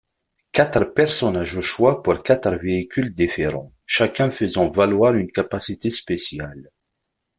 Quatre personnages au choix pour quatre véhicules différents, chacun faisant valoir une capacité spéciale.